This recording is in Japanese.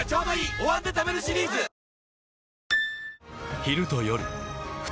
「お椀で食べるシリーズ」はい！